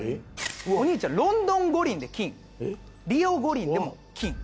お兄ちゃんロンドン五輪で金リオ五輪でも金。